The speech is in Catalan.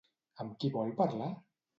Amb qui vol parlar?